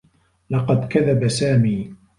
لقد كذب سامي.